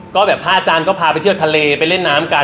ก็แบบพระอาจารย์ก็พาไปเที่ยวทะเลไปเล่นน้ำกัน